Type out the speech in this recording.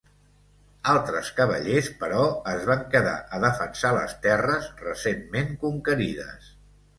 Altres cavallers, però, es van quedar a defensar les terres recentment conquerides.